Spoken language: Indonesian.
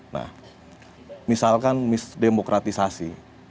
nah misalkan misdemokratisasi